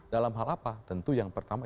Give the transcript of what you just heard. dalam hal apa tentu yang pertama